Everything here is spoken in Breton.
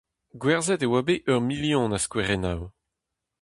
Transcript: Gwerzhet e oa bet ur milion a skouerennoù !